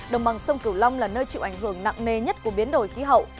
đồng bằng sông cửu long là nơi chịu ảnh hưởng nặng nề nhất của biến đổi khí hậu